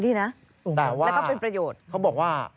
แต่ว่า